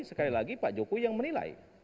sekali lagi pak jokowi yang menilai